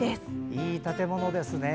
いい建物ですね。